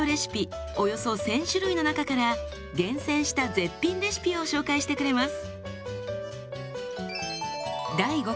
およそ１，０００種類の中から厳選した絶品レシピを紹介してくれます。